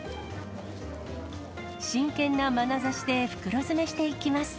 真剣なまなざしで袋詰めしていきます。